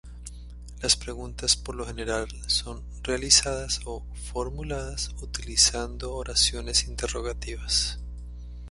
Las preguntas por lo general son "realizadas" o "formuladas" utilizando oraciones interrogativas.